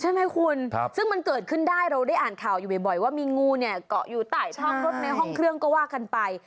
ใช่ไหมคุณซึ่งมันเกิดขึ้นได้เราได้อ่านข่าวอยู่บ่อยว่ามีงูเนี่ยเกาะอยู่ใต้ช่องรถในห้องเครื่องก็ว่ากันไป